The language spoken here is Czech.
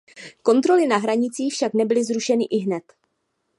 Kontroly na hranicích však nebyly zrušeny ihned.